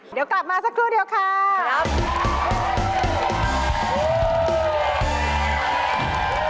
เดี๋ยวกลับมาสักครู่เดียวครับ